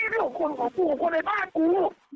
แต่นี่เป็นคนของกูกับคนในบ้านกู